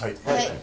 はい。